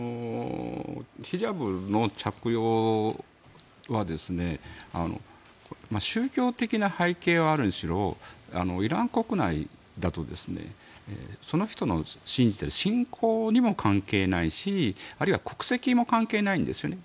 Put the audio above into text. ヒジャブの着用は宗教的な背景はあるにしろイラン国内だとその人の信じている信仰にも関係ないしあるいは国籍も関係ないんですよね。